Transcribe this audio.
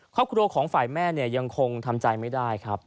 ครอบครัวของฝ่ายแม่เนี่ยยังคงทำใจไม่ได้ครับ